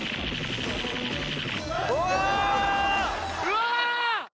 うわ！